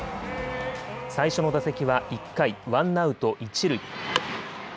最初の打席は１回、ワンアウト一塁。